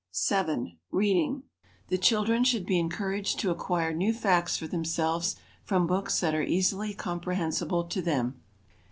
7. Reading. The children should be encouraged to acquire new facts for themselves from books that are easily comprehensible to them.